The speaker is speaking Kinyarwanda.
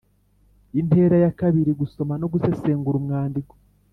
Intera ya kabiri Gusoma no gusesengura umwandiko